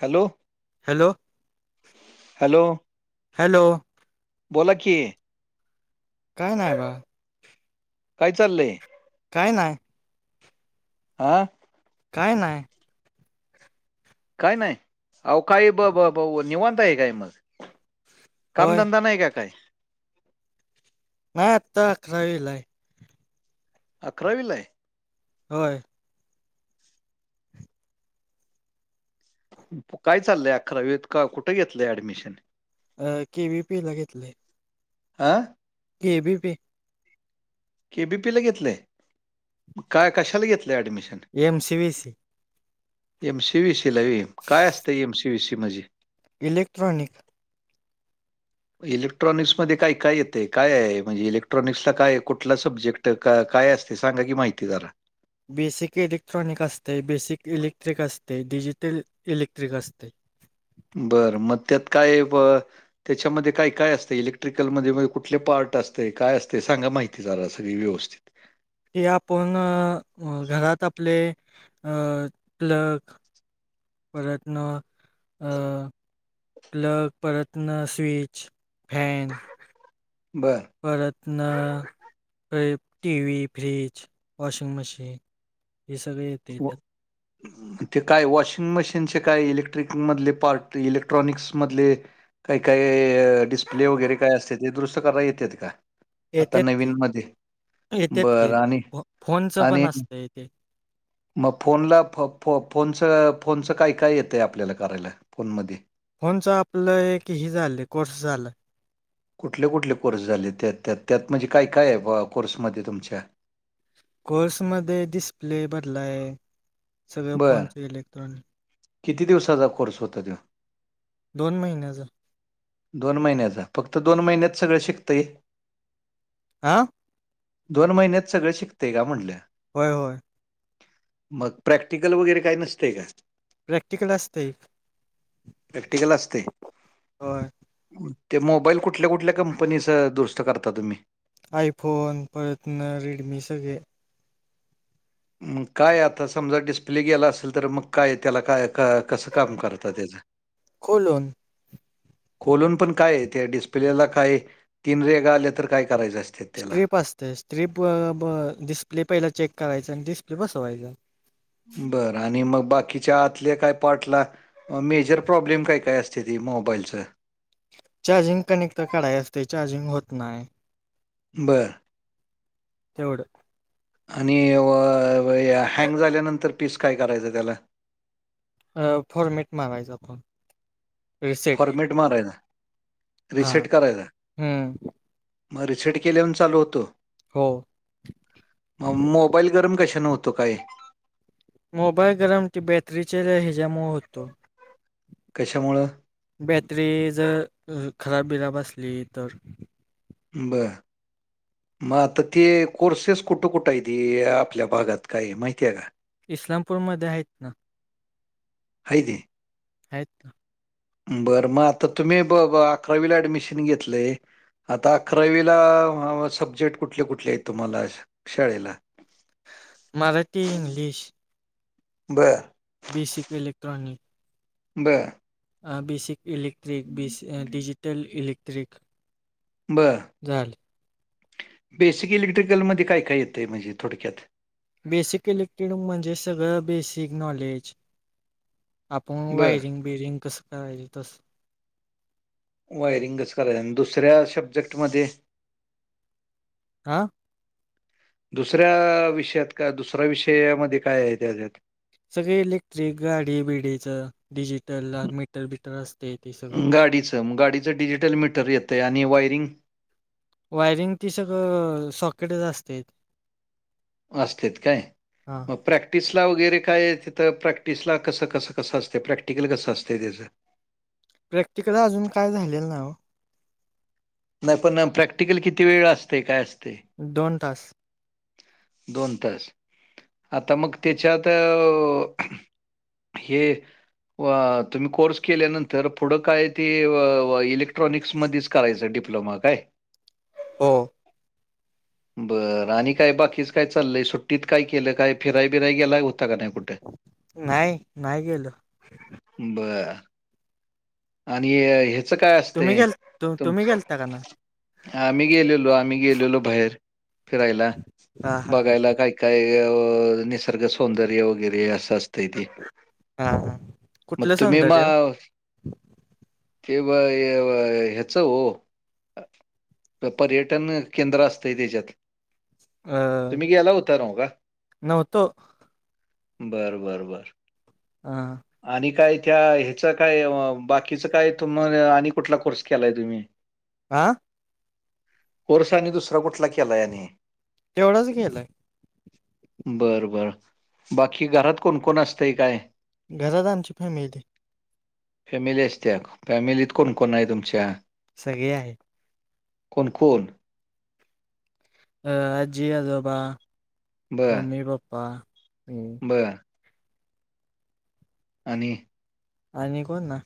Hello hello hello. Hello बोला की काय नाही बा काय चाललंय. काही नाही आ काय नाही. काय नाही, अ काही ब निवांता आहे, काय मग होय कामधंदा नाही का काय? नाही, आता अ खाली आलंय. अकरावीला आहे. होय. काय चाललंय अकरावीेत, कुठं घेतलंय ऍडमिशन. अ केवीपी ला घेतलय. आ? के बी पी. केबीपीला घेतलय, काय कशाला घेतलं admission? M C V C. M C V C लावी, काय असतं एम सी वी सी, म्हझी? इलेक्ट्रॉनिक. इलेक्ट्रॉनिक्समध्ये काय काय येतेय, काय म्हणजे इलेक्ट्रॉनिक्सला, काय कुठला सब्जेक्ट? क्त, का काय असते, सांगा की माहिती जरा. बेसिक इलेक्ट्रॉनिक असते, बेसिक इलेक्ट्रिक असते, डिजिटल इलेक्ट्रिक असतय. बर मग त्यात काय ब? त्याच्यामध्ये काय काय असतं, इलेक्ट्रिकलमध्ये कुठले पार्ट असतय, काय असतय, सांगा माहिती जरा सगळी व्यवस्थित? ते आपण, घरात आपले, अ प्लग प्रयत्न अं अं प्लग परत ना स्विच, फॅन बरं. परत ना, T V, fridge, washing machine हे सगळे हो येतात [unintelligible] ते काय वॉशिंग मशीनचे, काय इलेक्ट्रिकमधले पार्ट इलेक्ट्रॉनिक्समधले काय काय डिस्प्ले वगैरे काय असते, ते दुरूस्त करता येतेत का? आता येतात की नवीन मध्यें, येतात की बरं आणि फो फोनचं पण आणि असतं ते मग फोनला, फ फ फोनच फोनचं काय काय येत आहे आपल्याला करायला फोनमध्ये? फोनचं आपलं एक हे झालं, कोर्स झाला. कुठले कुठले कोर्स झाले, त्यात त्यात त्यात म्हणजे काय काय आहे बुआ कोर्समध्येध्ये तुमच्या? कोर्स मध्ये डिस्प्ले बदलाय, सगळं बर फोनच इलेक्ट्रॉनिक. किती दिवसाचा कोर्स होता तो? दोन महिन्याचा. दोन महिन्याचा, फक्त दोन महिन्यात सगळं शिकतंय? आ? दोन महिन्यात सगळ शिकतय का म्हनले? होय होय. मग प्रॅक्टिकल वगैरे काय नसत का? प्रॅक्टिकल असतय, प्रॅक्टिकल असते होय. ते मोबाईल कुठल्या कुठल्या कंपनीच, दुरुस्त करता तुम्ही? आयफोन परत ना रेडमी सगळे. म काय आता, समजा डिस्प्ले गेला असेल, तर मग काय त्याला काय का कसं काम करत त्याचं? खोलून. खोलून पण काय, त्या डिस्प्लेला काय, तीन रेगा आल्या तर काय करायच असत? स्ट्रीप असत्या, स्ट्रीपवर डिस्प्ले पहिला चेक करायचा आणि डिस्प्ले बसवायचा. बरं आणि मग बाकीच्या आतल्या काय पार्ट ला? मेजर प्रॉब्लेम काय काय असते ते मोबाईलच? चार्जिंग कनेक्ट तर काढाय असते, चार्जिंग होत नाही. बरं. तेवढं. आणि व य व या हँग झाल्यानंतर पीस, काय करायचं त्याला? अ फॉर्मेट मारायचा फोन. फॉर्मेट मारायचा, हा रिसेट करायचा? हम्म मग रीसेट केल्यावर चालू होतो? हो. मोबाईल गरम कशानं होतो काय? मोबाईल गरम की बॅटरीचे ह्याज्यामुळं होतो. कश्यामुळं बॅटरी जर खराब बिराब असली तर. बंर म आता ते कोर्सेस कुठं कुठं हायती, आपल्या भागात काय माहिती आहे का? इस्लामपूरमध्ये आहेत ना. हायती आहेत बरं मग आता तुम्ही ब ब अकरावीला ऍडमिशन घेतलंय. आता अकरावीला सब्जेक्ट कुठले कुठले आहेत तुम्हाला? शाळेला मराठी इंग्लिश बरं बेसिक इलेक्ट्रॉनिक बरं अ basic electric, basic digital electric. बर बेसिक इलेक्ट्रिकलमध्ये काय काय येतयं? म्हणजे थोडक्यात बेसिक इलेक्टेड म्हणजे सगळं बेसिक नॉलेज. आपुन बर वायरिंग बियरिंग कसं करायचो तसं वायरिंग कसं कराय आणि दुसऱ्या सब्जेक्टमध्ये हा दुसऱ्या विषयात का दुसरा विषयामधी काय आहे त्याच्यात सगळे इलेक्ट्रिक गाडी बिडीचं डिजिटल ला मीटर बीटर असत गाडीचं मग गाडीचं डिजिटल मीटर येतयं आणि वायरिंग वायरिंग ती सगळं सॉकेटच असतंय. असत्यात काय हा प्रॅक्टिसला वगैरे काय? तिथं प्रॅक्टिसला कसं कसं कसं असतंय? प्रॅक्टिकल कसं असतं त्याज? प्रॅक्टिकल अजून काय झालेलं नाय ओ. नाही पण प्रॅक्टिकल किती वेळ असतंय? काय असतंय? दोन तास. दोन तास, आता मग त्याच्यात अ हे वा तुम्ही कोर्स केल्यानंतर पुढं काय ते व व इलेक्ट्रॉनिक्समधीच करायचा डिप्लोमा काय हो बरं आणि काय बाकीच? काय चाल्लयं सुट्टीत काय केलं काय फिराय बिराय गेलाय हो ता का नाय कुटं? नाही नाही गेलो बर आणि हे चं काय तुम्ही असतंय गेल तु- तुम्ही तुमच गेलता का नाही आम्ही गेल्यालो आम्ही गेल्यालो बाहेर फिरायला. [unintelligible] बघायला काय काय व निसर्ग सौंदर्य वगैरे असं असतं तय ती हा हा मग कुठलं तुम्ही सौंदर्य माव ते वं हे वं ह्याच वो पर्यटन केंद्र असतंय त्याच्यात अ अ तुम्ही गेला हुता नव्ह का? बर बर बर हां आणि काय? त्या ह्याचं काय? बाकीचं काय? तुम्ही आणि कुठला कोर्स केला? आा वर्षांनी दुसरा कुठला केला याने? तेवढच गेलय बर बर बाकी घरात कोणकोण असते काय? घरादाची फॅमिली फॅमिलीत कोण कोण आहेत तुमच्या सगे आहेत कोणकण. अ आजी आजोबा बर मम्मी पप्पा हम्म. बर आणि आणि कोण ना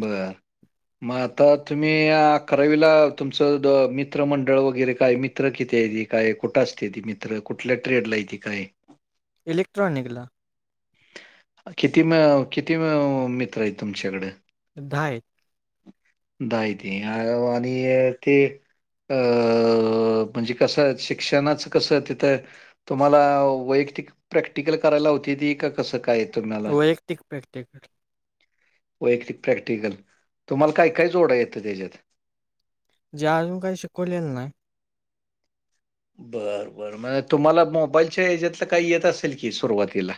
बर मग आता तुम्ही अकरावीला तुमचं मित्र मंडळ वगैरे काय मित्र मित्र किती आहेत? काय? कुठं असतात? ते मित्र कुठल्या ट्रेड ला आहेत? ते काय? इलेक्ट्रॉनिक किती मित्र आहेत तुमच्याकडे दहा आहेत दे ते आणि ते अ म्हणजे कसं शिक्षणाचं कसं तिथं तुम्हाला वैयक्तिक प्रॅक्टिकल करायला होती? का कसं काय? तुम्हाला? वैयक्तिक प्रॅक्टिकल वैक्तिक प्रॅक्टिकल तुम्हाला काय काय जोडा त्याच्यात अजून काही शिकवलेल नाही बर बर तुम्हाला मोबाईलच्या यातल काही येत असेल की सुरुवातीला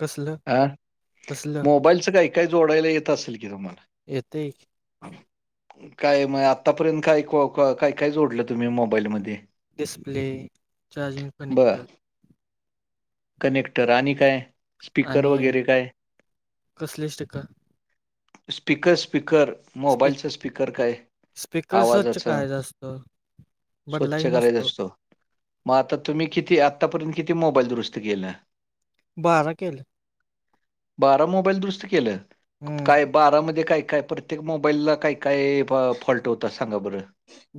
कसलं हं कसलं मोबाईलचं काही काय जोडायला येत असेल कि तुम्हाला? येते काय मग. आतापर्यंत काय काय काय जोडलं तुम्ही मोबाईल मध्ये? डिस्प्ले चार्जिंग बरं कनेक्टर कनेक्टर आणी का आहे स्पीकर आणि वगैरे काय? कसले स्टिकर स्पीकर स्पीकर? स्पीक मोबाईलच स्पीकर काय? स्पीकर स्वच्छ आवाजाच? करायचा असतो स्वच्छ बदलायचा करायचा नसतो असतो मग आतापर्यंत तुम्ही किती मोबाईल दुरुस्त केले बारा केले बारा मोबाईल दुरुस्त केले हम्म काय? बारा मोबाईल मध्ये काय काय फॉल्ट होता सांगा बरं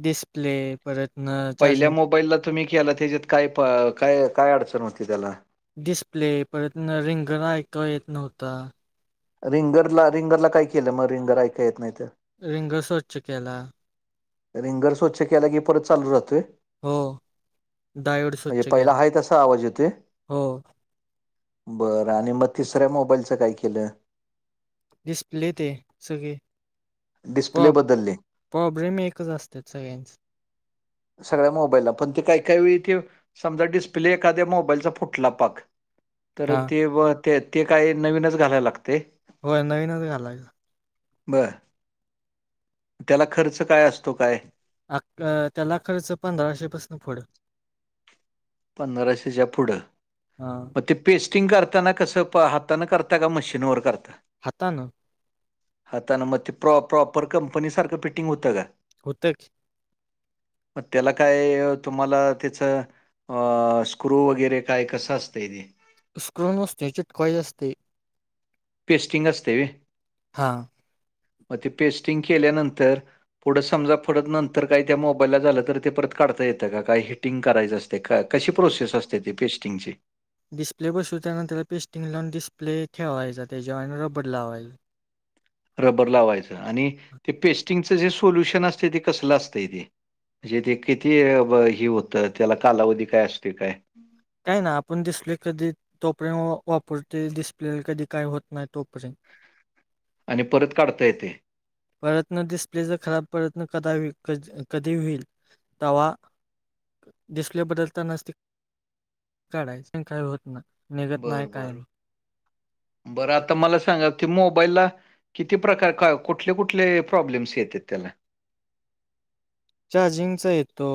डिस्प्ले आणि पहिल्या चार्जिंग मोबाईलला तुम्ही केले त्याच्यात काय काय अडचण होती त्याला डिस्प्ले परत रिंगर ऐक येत नव्हता रिंगरला रिंगरला काय? केलं मग रिंगर ऐका येत नाहीत रिंग स्वच्छ केला रिंगर स्वच्छ केला की परत चालू राहतोय? हो डायोड म्हणजे स्वच्छ पहिला केला हाय तसा आवाज येतोय हो बरं आणि मग तिसऱ्या मोबाईलचं काय केलं? डिस्प्ले ते सगळे डिस्प्ले प्रॉ बदलली प्रॉब्लेम एकच असत सगळ्यांच सगळ्या मोबाईलला पण ते काय काय वेळ ते समजा डिस्प्ले एखाद्या मोबाईलचा फुटला पाक तर हा ते ते ते काही नवीनच घालायला लागते हो. नवीन नवीन आलाय- बर. त्याला खर्च काय असतो काय? अ क त्याला खर्च पंधराशे पासन पुढ. पंधराशेच्या पुढं. हा मग ते- पेस्टिंग करताना कसं? हातान करता का मशीनवर करता? हातान. हातान. मग ते प्र प्रॉपर कंपनी सारखं फिटिंग होतं का? होत की. म त्याला काय? तुम्हाला त्याच? आ. स्क्रू वगैरे काय? कसं असतंय ते? स्क्रू नसतो. याच्यात कॉईल असते. पेस्टिंग असतय. हां. मग ते पेस्टिंग केल्यानंतर- पुढं समजा पुढंत नंतर काही त्या मोबाईलला झालं तर ते परत काढता येतं का? काही हिटिंग करायचं असतं. ते का? कशी प्रोसेस असते ती पेस्टिंगची? डिस्प्ले बसिवताना त्याला पेस्टिंग लावून डिस्प्ले ठेवायचा त्याच्यावर नि रबर लावायल. रबर लावायचं. आणि ते पेस्टिंगच जे सोल्युशन असतेय ते कसलं असतंय ते? म्हणजे ते किती हे ब होतं? त्याला कालावधी काय असतोय काय? काय नाही. आपण डिस्प्ले कधी [unintelligible] वापरतोय डिस्प्लेला कधी काय होत नाही तोपर्यंत. आणि परत काढता येतय. परत न डिस्प्लेचा खराब परत न कदा कधी होईल तवा- डिस्प्ले बदलतानाच ते काढायच. काय होत नाय. बरं बर. बरं. आता मला सांगा ते मोबाईलला- किती प्रकार? काय कुठले कुठले प्रॉब्लेम्स येतेत त्याला? चार्जिंगचा येतो.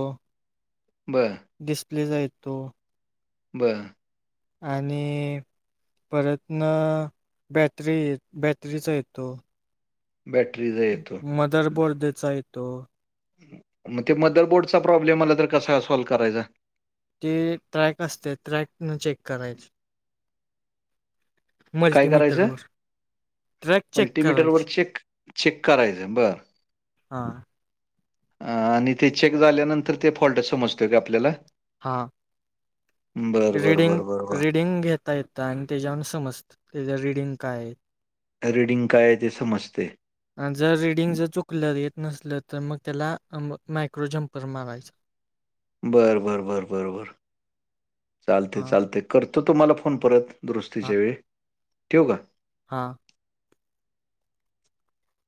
बरं, डिस्प्लेचा येतो. बरं. आणि परत म बॅटरी, बॅटरीचा येतो. बॅटरीचा. येतो. मदर बोर्डेचा येतो. मग ते मदर बोर्डचा प्रॉब्लेम आला तर कसा सॉल्व करायचा? ते ट्रॅक असत्यात. ट्रॅक न चेक करायचे. काय करायचं? मल्टीमीटरवर. ट्रॅक चेक मल्टीमीटरवर करायचे. चेक चेक करायचं. बरं. हा. आणि ते चेक झाल्यानंतर ते फॉल्ट समजतो का आपल्याला? हा. बरं, बरं, रीडिंग, बरं, बरं, बरं. रीडिंग घेत- ता येत आणि त्याच्यावरन समजत त्याच रीडिंग काय आहे? रीडिंग काय आहे ते समजतय. जर रिडिंग जर चुकलं. येत नसलं तर मग त्याला मायक्रोजंपर मारायच. बरं बरं बरं बरं बरं. चालते हां चालते. करतो तुम्हाला फोन परत. हां दुरुस्तीच्या वेळी. ठेवू का? हां.